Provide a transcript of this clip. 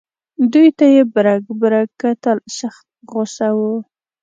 دوی ته یې برګ برګ کتل سخت په غوسه و.